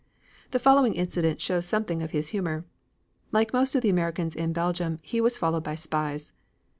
The following incident shows something of his humor. Like most of the Americans in Belgium he was followed by spies.